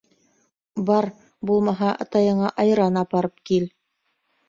— Бар, булмаһа, атайыңа айран апарып кил.